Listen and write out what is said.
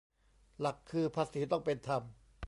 หลักคือ ภาษีต้องเป็นธรรม